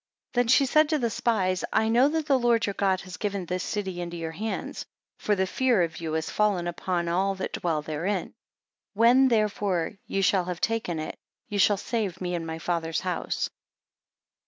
8 Then she said to the spies, I know that the Lord your God has given this city into your hands; for the fear of you is fallen upon all that dwell therein. When, therefore, ye shall have taken it, ye shall save me and my father's house.